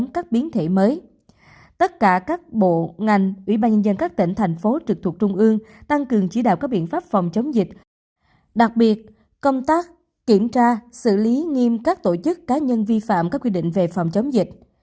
đặc biệt công tác kiểm tra xử lý nghiêm các tổ chức cá nhân vi phạm các quy định về phòng chống dịch